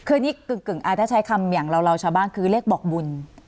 คืออันนี้กึ่งถ้าใช้คำอย่างเราชาวบ้านคือเรียกบอกบุญ